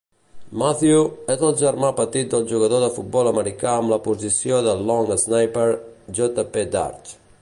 Mathieu és el germà petit del jugador de futbol americà amb la posició de "long snapper", J. P. Darche.